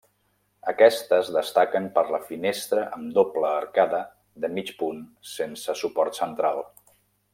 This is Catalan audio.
Aquestes destaquen per la finestra amb doble arcada de mig punt sense suport central.